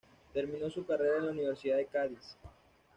Terminó su carrera en la Universidad de Cádiz.